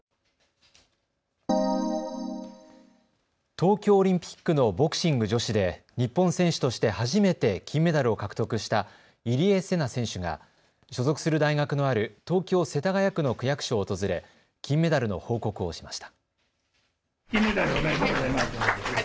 東京オリンピックのボクシング女子で日本選手として初めて金メダルを獲得した入江聖奈選手が所属する大学のある東京世田谷区の区役所を訪れ金メダルの報告をしました。